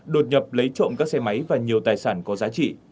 đột nhập lấy trộm các xe máy và nhiều tài sản có giá trị